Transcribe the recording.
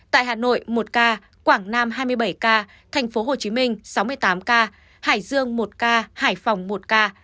tại hà nội một ca quảng nam hai mươi bảy ca tp hcm sáu mươi tám ca hải dương một ca hải phòng một ca